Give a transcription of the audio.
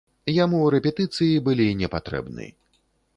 Яму рэпетыцыі былі непатрэбны.